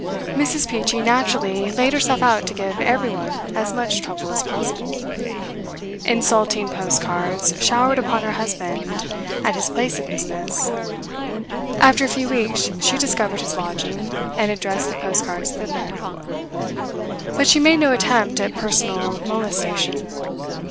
Mrs. Peachey naturally laid herself out to give every one as much trouble as possible. Insulting post cards showered upon her husband at his place of business. After a few weeks she discovered his lodging, and addressed the post cards thither; but she made no attempt at personal molestation.